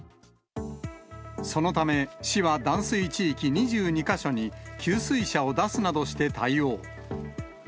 そのため、市は断水地域２２か所に、給水車を出すなどして対応。